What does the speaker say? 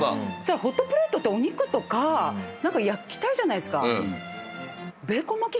ホットプレートってお肉とか焼きたいじゃないですか。